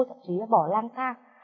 thậm chí là bỏ lang thang